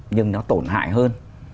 nhưng nó tổn hại hơn